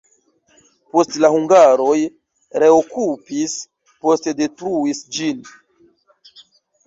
Poste la hungaroj reokupis, poste detruis ĝin.